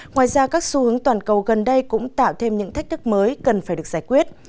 ngoài ra các xu hướng toàn cầu gần đây cũng tạo thêm những thách thức mới cần phải được giải quyết